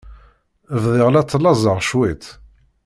Bdiɣ la ttlaẓeɣ cwiṭ.